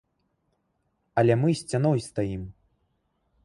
Але мы сцяной стаім.